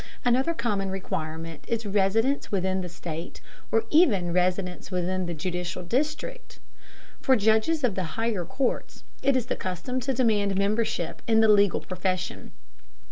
Another common requirement is residence within the state, or even residence within the judicial district. For judges of the higher courts it is the custom to demand membership in the legal profession.